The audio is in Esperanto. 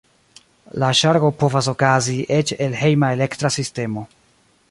La ŝargo povas okazi eĉ el hejma elektra sistemo.